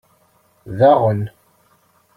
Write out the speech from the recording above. Daɣen.